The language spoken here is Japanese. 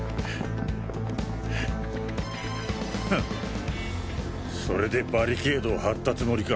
フンそれでバリケードを張ったつもりか。